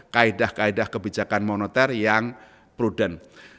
kaedah kaedah kebijakan moneter yang prudent